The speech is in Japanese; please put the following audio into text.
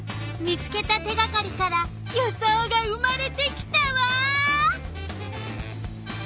見つけた手がかりから予想が生まれてきたわ！